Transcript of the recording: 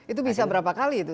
itu bisa berapa kali itu